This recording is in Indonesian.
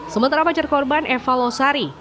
sementara pacar korban eva losari